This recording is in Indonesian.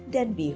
soun dan bihut